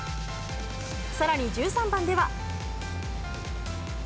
さらに１３番では。